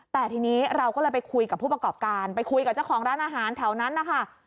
แต่ทีนี้เราก็เลยไปคุยกับผู้ประกอบการไปคุยกับเจ้าของร้านอาหารแถวนั้นนะคะ